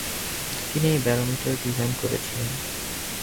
তিনি একটি barometer design করেছিলেন।